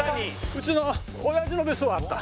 うちの親父の別荘はあった